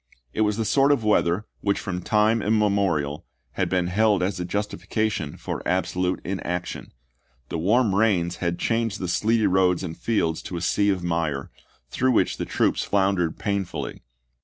It was the sort of weather which from time immemorial had been held as a justifica tion for absolute inaction. The warm rains had changed the sleety roads and fields to a sea of mire, through which the troops floundered pain fully.